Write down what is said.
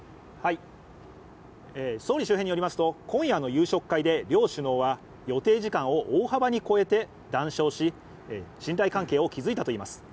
総理周辺によりますと、今夜の夕食会で両首脳は予定時間を大幅に超えて談笑し信頼関係を築いたといいます。